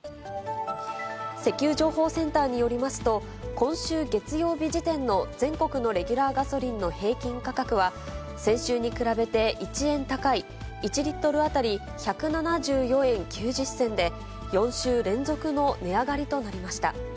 石油情報センターによりますと、今週月曜日時点の全国のレギュラーガソリンの平均価格は、先週に比べて１円高い、１リットル当たり１７４円９０銭で、４週連続の値上がりとなりました。